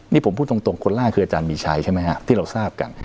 นี่ผมพูดตรงคนแรกคืออาจารย์มีชัยใช่ไหมฮะที่เราทราบกัน